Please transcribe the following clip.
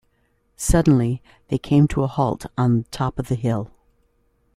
Suddenly they came to a halt on top of the hill.